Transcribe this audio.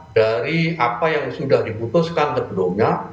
dari apa yang sudah diputuskan sebelumnya